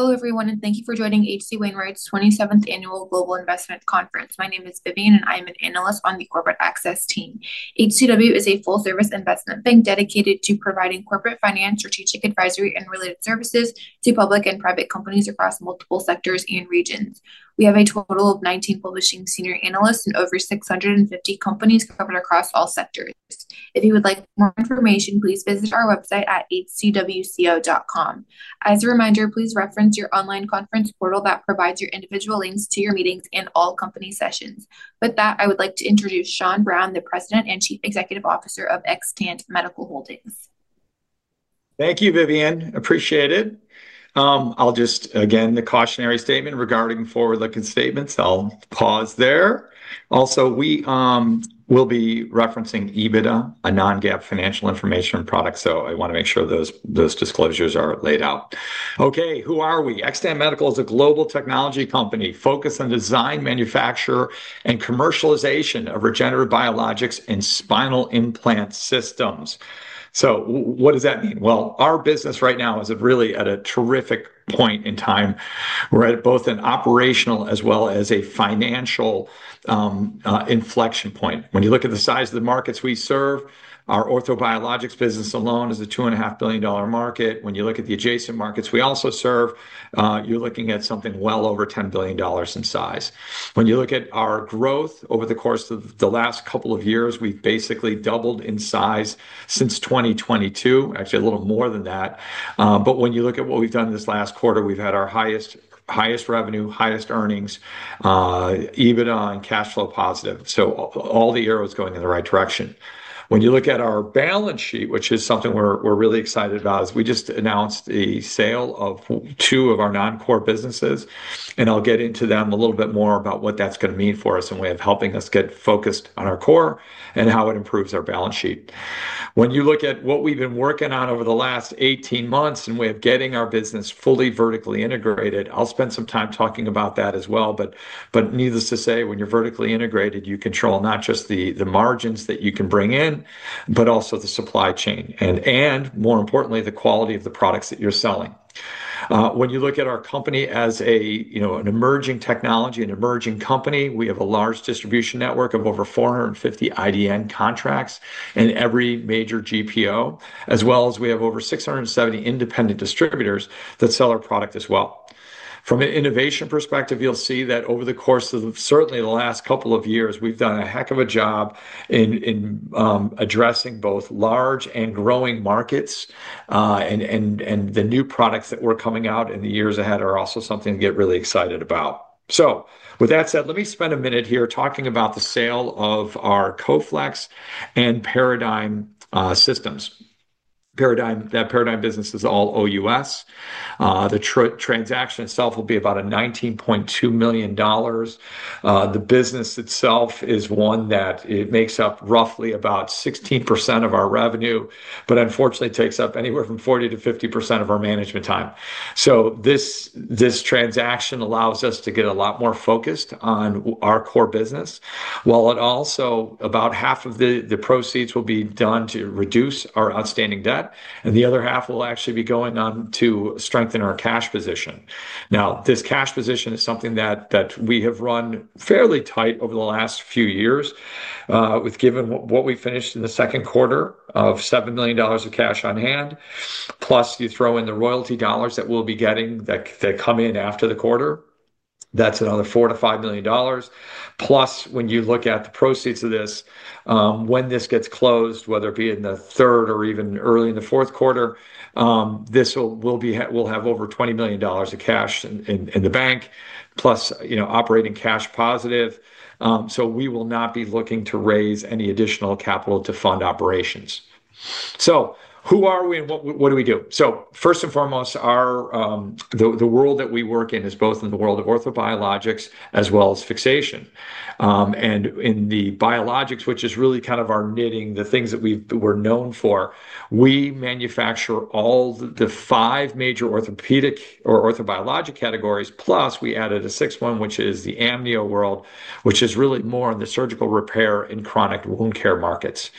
Hello everyone, and thank you for joining HC Wainwright's 27th Annual Global Investment Conference. My name is Vivian, and I am an analyst on the Corporate Access team. HC Wainwright is a full-service investment bank dedicated to providing corporate finance, strategic advisory, and related services to public and private companies across multiple sectors and regions. We have a total of 19 publishing senior analysts in over 650 companies covering across all sectors. If you would like more information, please visit our website at hcwco.com. As a reminder, please reference your online conference portal that provides your individual links to your meetings and all company sessions. With that, I would like to introduce Sean Browne, the President and Chief Executive Officer of Xtant Medical Holdings. Thank you, Vivian. Appreciate it. I'll just, again, the cautionary statement regarding forward-looking statements, I'll pause there. Also, we will be referencing EBITDA, a non-GAAP financial information product, so I want to make sure those disclosures are laid out. Okay, who are we? Xtant Medical is a global technology company focused on the design, manufacture, and commercialization of regenerative biologics in spinal implant systems. What does that mean? Our business right now is really at a terrific point in time. We're at both an operational as well as a financial inflection point. When you look at the size of the markets we serve, our orthobiologics business alone is a $2.5 billion market. When you look at the adjacent markets we also serve, you're looking at something well over $10 billion in size. When you look at our growth over the course of the last couple of years, we've basically doubled in size since 2022, actually a little more than that. When you look at what we've done this last quarter, we've had our highest revenue, highest earnings, EBITDA, and cash flow positive. All the arrows are going in the right direction. When you look at our balance sheet, which is something we're really excited about, we just announced the sale of two of our non-core businesses. I'll get into them a little bit more about what that's going to mean for us in way of helping us get focused on our core and how it improves our balance sheet. When you look at what we've been working on over the last 18 months in way of getting our business fully vertically integrated, I'll spend some time talking about that as well. Needless to say, when you're vertically integrated, you control not just the margins that you can bring in, but also the supply chain and, more importantly, the quality of the products that you're selling. When you look at our company as an emerging technology, an emerging company, we have a large distribution network of over 450 IDN contracts in every major GPO, as well as we have over 670 independent distributors that sell our product as well. From an innovation perspective, you'll see that over the course of certainly the last couple of years, we've done a heck of a job in addressing both large and growing markets. The new products that were coming out in the years ahead are also something to get really excited about. With that said, let me spend a minute here talking about the sale of our Coflex and Paradigm systems. That Paradigm business is all OUS. The transaction itself will be about $19.2 million. The business itself is one that makes up roughly about 16% of our revenue, but unfortunately takes up anywhere from 40% - 50% of our management time. This transaction allows us to get a lot more focused on our core business, while also about half of the proceeds will be done to reduce our outstanding debt, and the other half will actually be going on to strengthen our cash position. This cash position is something that we have run fairly tight over the last few years, given what we finished in the second quarter of $7 million of cash on hand, plus you throw in the royalty dollars that we'll be getting that come in after the quarter, that's another $4 million- $5 million. When you look at the proceeds of this, when this gets closed, whether it be in the third or even early in the fourth quarter, we'll have over $20 million of cash in the bank, plus operating cash positive. We will not be looking to raise any additional capital to fund operations. Who are we and what do we do? First and foremost, the world that we work in is both in the world of orthobiologics as well as fixation. In the biologics, which is really kind of our knitting, the things that we're known for, we manufacture all the five major orthopedic or orthobiologic categories, plus we added a sixth one, which is the Amnio world, which is really more in the surgical repair and chronic wound care markets.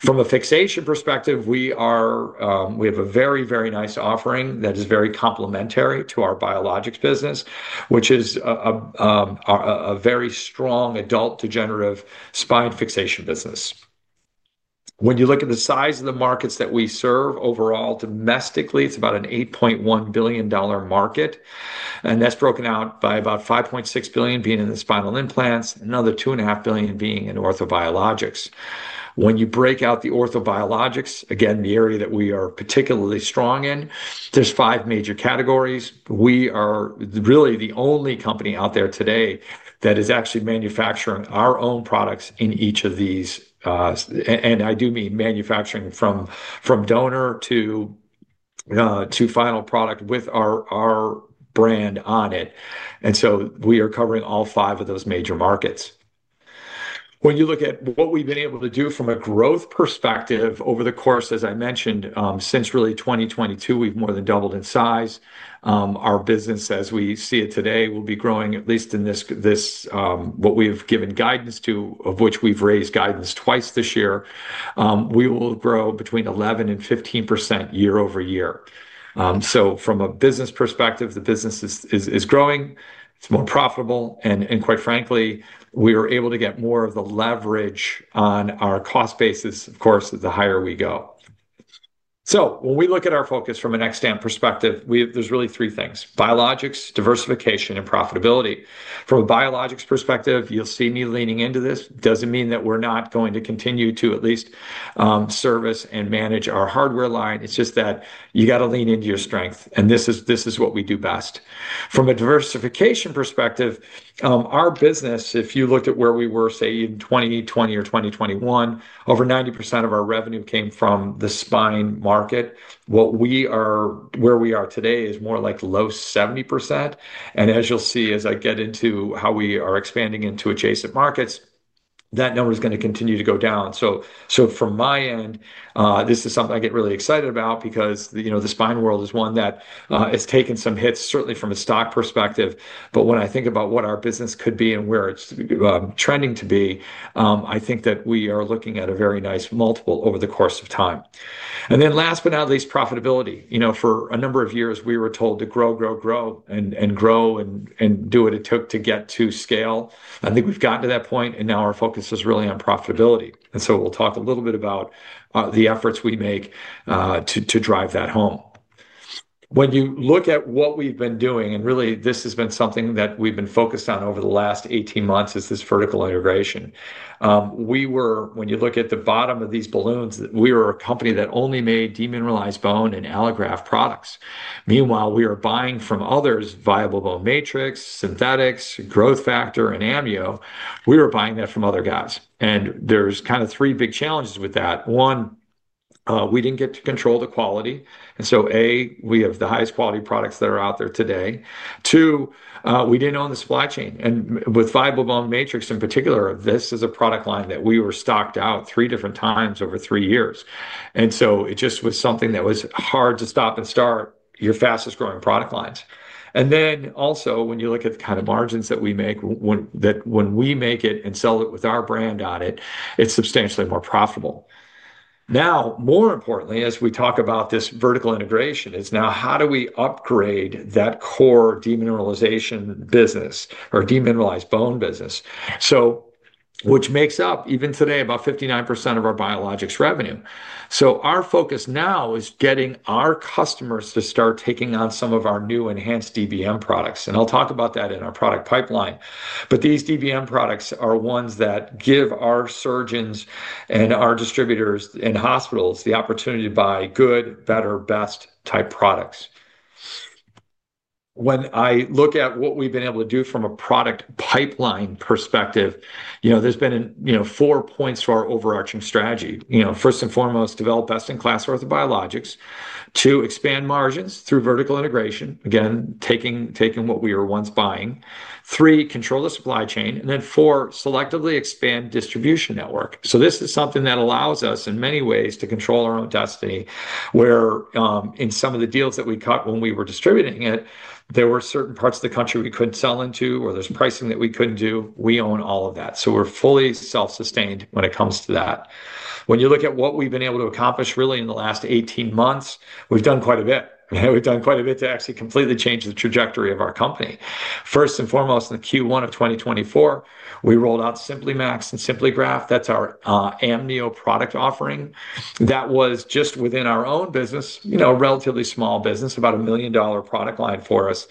From a fixation perspective, we have a very, very nice offering that is very complementary to our biologics business, which is a very strong adult degenerative spine fixation business. When you look at the size of the markets that we serve overall domestically, it's about an $8.1 billion market, and that's broken out by about $5.6 billion being in the spinal implants, another $2.5 billion being in orthobiologics. When you break out the orthobiologics, again, the area that we are particularly strong in, there's five major categories. We are really the only company out there today that is actually manufacturing our own products in each of these, and I do mean manufacturing from donor to final product with our brand on it. We are covering all five of those major markets. When you look at what we've been able to do from a growth perspective over the course, as I mentioned, since really 2022, we've more than doubled in size. Our business, as we see it today, will be growing at least in this, what we've given guidance to, of which we've raised guidance twice this year. We will grow between 11% and 15% year- over- year. From a business perspective, the business is growing, it's more profitable, and quite frankly, we are able to get more of the leverage on our cost basis, of course, the higher we go. When we look at our focus from an Xtant perspective, there's really three things: biologics, diversification, and profitability. From a biologics perspective, you'll see me leaning into this. It doesn't mean that we're not going to continue to at least service and manage our hardware line. It's just that you got to lean into your strength, and this is what we do best. From a diversification perspective, our business, if you looked at where we were, say, in 2020 or 2021, over 90% of our revenue came from the spine market. Where we are today is more like low 70%. As you'll see, as I get into how we are expanding into adjacent markets, that number is going to continue to go down. From my end, this is something I get really excited about because the spine world is one that has taken some hits, certainly from a stock perspective. When I think about what our business could be and where it's trending to be, I think that we are looking at a very nice multiple over the course of time. Last but not least, profitability. You know, for a number of years, we were told to grow, grow, grow, and grow and do what it took to get to scale. I think we've gotten to that point, and now our focus is really on profitability. We'll talk a little bit about the efforts we make to drive that home. When you look at what we've been doing, and really this has been something that we've been focused on over the last 18 months, is this vertical integration. We were, when you look at the bottom of these balloons, we were a company that only made demineralized bone and allograft products. Meanwhile, we are buying from others: Viable Bone Matrix, Synthetics, Growth Factor, and Amnio. We were buying that from other guys. There's kind of three big challenges with that. One, we didn't get to control the quality. A, we have the highest quality products that are out there today. Two, we didn't own the supply chain. With Viable Bone Matrix in particular, this is a product line that we were stocked out three different times over three years. It just was something that was hard to stop and start your fastest growing product lines. Also, when you look at the kind of margins that we make, when we make it and sell it with our brand on it, it's substantially more profitable. More importantly, as we talk about this vertical integration, is now how do we upgrade that core demineralization business or demineralized bone business, which makes up even today about 59% of our biologics revenue. Our focus now is getting our customers to start taking on some of our new enhanced DBM products. I'll talk about that in our product pipeline. These DBM products are ones that give our surgeons and our distributors in hospitals the opportunity to buy good, better, best type products. When I look at what we've been able to do from a product pipeline perspective, there's been four points to our overarching strategy. First and foremost, develop best-in-class orthobiologics. Two, expand margins through vertical integration, again, taking what we were once buying. Three, control the supply chain. Four, selectively expand distribution network. This is something that allows us in many ways to control our own destiny, where in some of the deals that we cut when we were distributing it, there were certain parts of the country we couldn't sell into, or there's pricing that we couldn't do. We own all of that. We're fully self-sustained when it comes to that. When you look at what we've been able to accomplish really in the last 18 months, we've done quite a bit. We've done quite a bit to actually completely change the trajectory of our company. First and foremost, in Q1 of 2024, we rolled out SimplyMax and SimplyGraph. That's our Amnio product offering. That was just within our own business, a relatively small business, about a $1 million product line for us.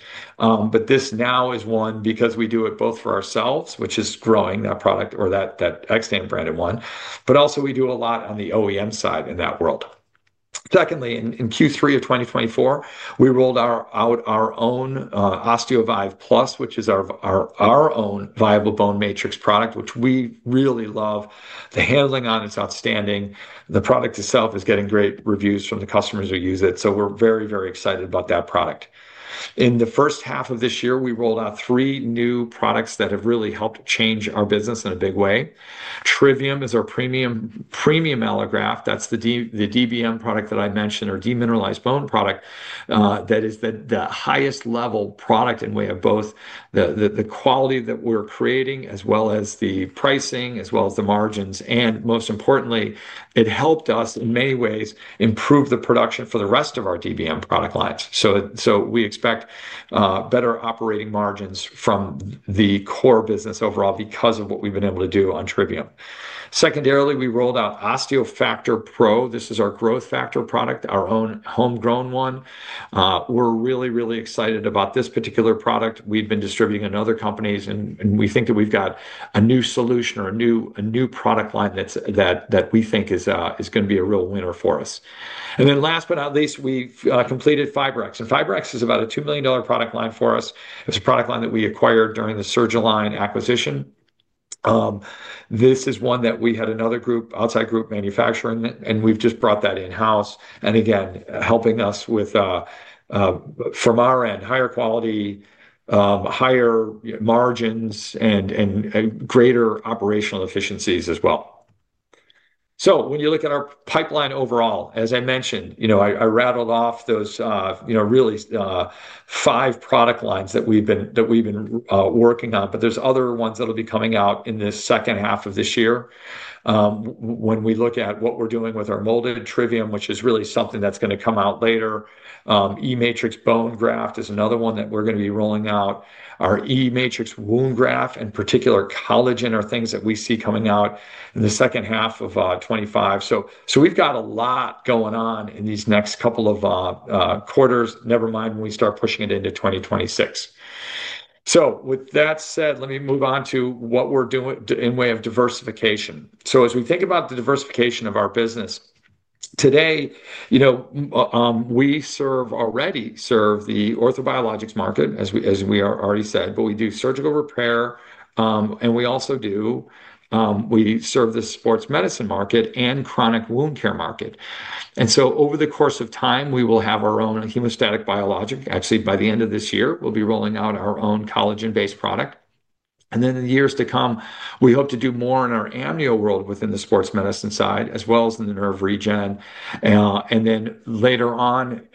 This now is one because we do it both for ourselves, which is growing that product or that Xtant branded one, but also we do a lot on the OEM side in that world. Secondly, in Q3 of 2024, we rolled out our own OsteoVive® Plus, which is our own Viable Bone Matrix product, which we really love. The handling on it is outstanding. The product itself is getting great reviews from the customers who use it. We're very, very excited about that product. In the first half of this year, we rolled out three new products that have really helped change our business in a big way. Trivium is our premium allograft. That's the DBM product that I mentioned, our demineralized bone product. That is the highest level product in way of both the quality that we're creating, as well as the pricing, as well as the margins. Most importantly, it helped us in many ways improve the production for the rest of our DBM product lines. We expect better operating margins from the core business overall because of what we've been able to do on Trivium. Secondarily, we rolled out OsteoFactor Pro. This is our growth factor product, our own homegrown one. We're really, really excited about this particular product. We've been distributing in other companies, and we think that we've got a new solution or a new product line that we think is going to be a real winner for us. Last but not least, we completed Fibrex. Fibrex is about a $2 million product line for us. It's a product line that we acquired during the Surgalign acquisition. This is one that we had another group, outside group manufacturing, and we've just brought that in-house. Again, helping us with, from our end, higher quality, higher margins, and greater operational efficiencies as well. When you look at our pipeline overall, as I mentioned, you know I rattled off those really five product lines that we've been working on, but there's other ones that'll be coming out in the second half of this year. When we look at what we're doing with our molded Trivium, which is really something that's going to come out later, eMatrix bone graft is another one that we're going to be rolling out. Our eMatrix wound graft and particular collagen are things that we see coming out in the second half of 2025. We've got a lot going on in these next couple of quarters, never mind when we start pushing it into 2026. With that said, let me move on to what we're doing in way of diversification. As we think about the diversification of our business today, you know, we already serve the orthobiologics market, as we already said, but we do surgical repair, and we also do serve the sports medicine market and chronic wound care market. Over the course of time, we will have our own hemostatic biologic. Actually, by the end of this year, we'll be rolling out our own collagen-based product. In the years to come, we hope to do more in our Amnio world within the sports medicine side, as well as in the nerve regen. Later on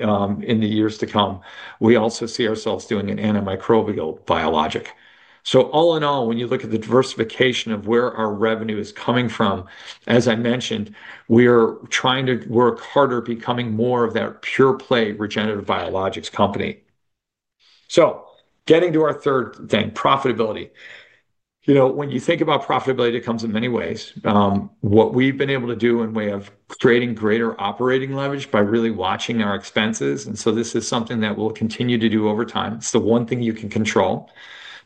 in the years to come, we also see ourselves doing an antimicrobial biologic. All in all, when you look at the diversification of where our revenue is coming from, as I mentioned, we are trying to work harder, becoming more of that pure play regenerative biologics company. Getting to our third thing, profitability. You know, when you think about profitability, it comes in many ways. What we've been able to do in way of creating greater operating leverage by really watching our expenses. This is something that we'll continue to do over time. It's the one thing you can control.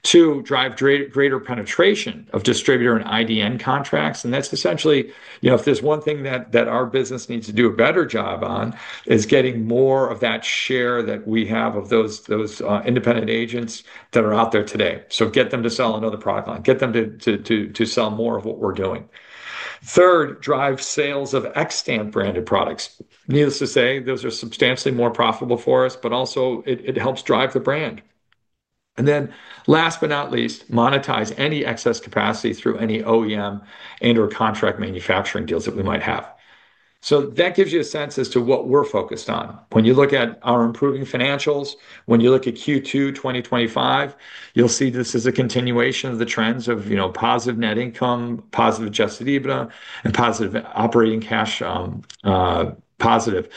Two, drive greater penetration of distributor and IDN contracts. That's essentially, you know, if there's one thing that our business needs to do a better job on, it's getting more of that share that we have of those independent agents that are out there today. Get them to sell another product line, get them to sell more of what we're doing. Third, drive sales of Xtant branded products. Needless to say, those are substantially more profitable for us, but also it helps drive the brand. Last but not least, monetize any excess capacity through any OEM and/or contract manufacturing deals that we might have. That gives you a sense as to what we're focused on. When you look at our improving financials, when you look at Q2 2025, you'll see this is a continuation of the trends of positive net income, positive adjusted EBITDA, and positive operating cash positive.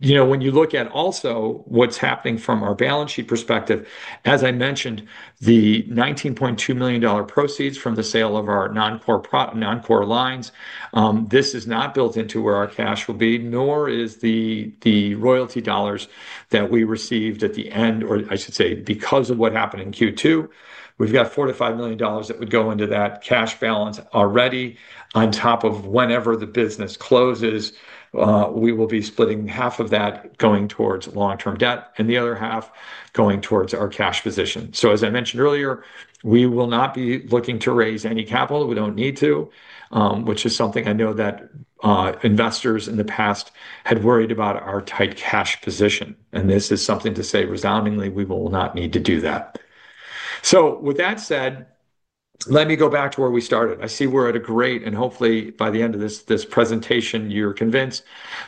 When you look at also what's happening from our balance sheet perspective, as I mentioned, the $19.2 million proceeds from the sale of our non-core lines, this is not built into where our cash will be, nor is the royalty dollars that we received at the end, or I should say because of what happened in Q2. We've got $4 million- $5 million that would go into that cash balance already. On top of whenever the business closes, we will be splitting half of that going towards long-term debt and the other half going towards our cash position. As I mentioned earlier, we will not be looking to raise any capital. We don't need to, which is something I know that investors in the past had worried about our tight cash position. This is something to say resoundingly, we will not need to do that. With that said, let me go back to where we started. I see we're at a great, and hopefully by the end of this presentation, you're convinced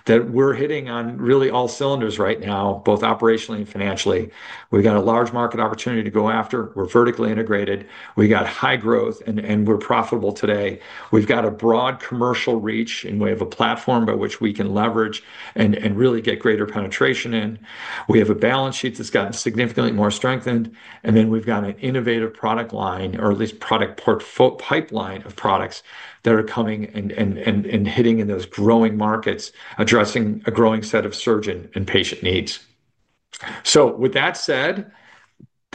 that we're hitting on really all cylinders right now, both operationally and financially. We've got a large market opportunity to go after. We're vertically integrated. We've got high growth, and we're profitable today. We've got a broad commercial reach in way of a platform by which we can leverage and really get greater penetration in. We have a balance sheet that's got significantly more strength. We've got an innovative product line, or at least product pipeline of products that are coming and hitting in those growing markets, addressing a growing set of surgeon and patient needs.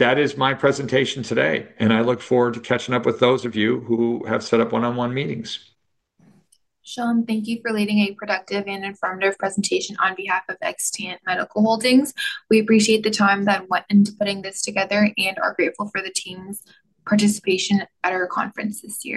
That is my presentation today. I look forward to catching up with those of you who have set up one-on-one meetings. Sean, thank you for leading a productive and informative presentation on behalf of Xtant Medical Holdings. We appreciate the time that went into putting this together and are grateful for the team's participation at our conference this year.